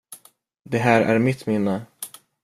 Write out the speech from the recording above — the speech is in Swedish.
Det här är mitt minne.